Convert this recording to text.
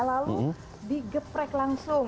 lalu digeprek langsung